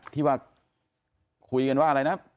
ที่ว่าคุยกันว่าอะไรนะ